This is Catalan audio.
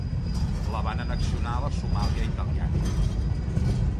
La van annexionar a la Somàlia Italiana.